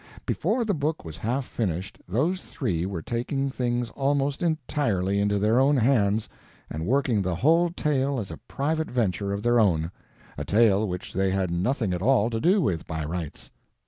Before the book was half finished those three were taking things almost entirely into their own hands and working the whole tale as a private venture of their own a tale which they had nothing at all to do with, by rights.